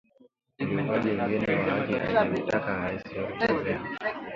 ukiukwaji mwingine wa haki akimtaka Raisi Yoweri Museveni